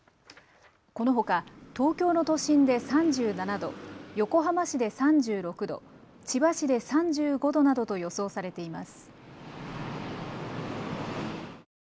このほか東京の都心で３７度、横浜市で３６度、千葉市で３５度などと予想されています。